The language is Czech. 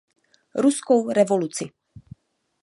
Ruskou revoluci.